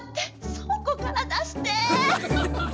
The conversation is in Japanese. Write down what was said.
倉庫から出して。